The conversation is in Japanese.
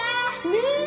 ねえ。